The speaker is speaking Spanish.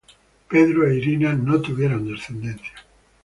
Pedro e Irina no tuvieron descendencia.